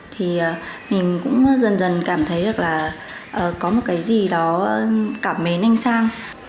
thì mình cũng dần dần cảm thấy được là có một cái gì đó cảm mến anh sang